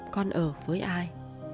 con ở với ai